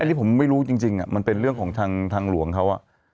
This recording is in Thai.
อันนี้ผมไม่รู้จริงมันเป็นเรื่องของทางหลวงเขา